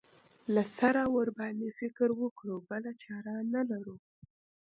له سره ورباندې فکر وکړو بله چاره نه لرو.